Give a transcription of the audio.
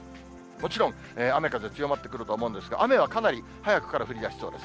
もちろん雨風強まってくると思うんですが、雨はかなり早くから降りだしそうです。